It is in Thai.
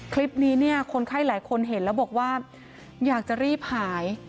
คลิปนี้เนี่ยคนไข้หลายคนเห็นแล้วบอกว่าอยากจะรีบหาย